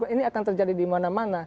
ini akan terjadi dimana mana